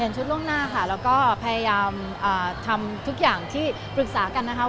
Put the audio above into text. ชุดล่วงหน้าค่ะแล้วก็พยายามทำทุกอย่างที่ปรึกษากันนะคะ